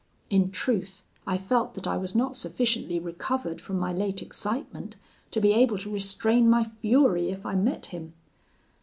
In truth, I felt that I was not sufficiently recovered from my late excitement to be able to restrain my fury if I met him.